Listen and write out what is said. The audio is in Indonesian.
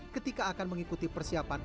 ketika akan mengikuti persiapan